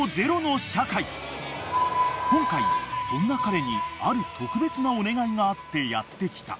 ［今回そんな彼にある特別なお願いがあってやって来た］